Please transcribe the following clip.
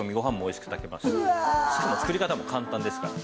しかも作り方も簡単ですから。